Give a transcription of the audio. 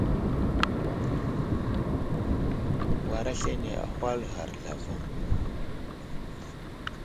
War aslane ahwal ghar zlavaŋ.